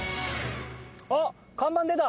あっ看板出た。